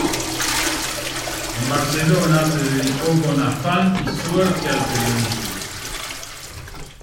En Barcelona, se dedicó con afán y suerte al periodismo.